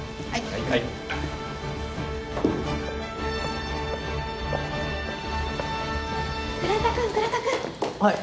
はい。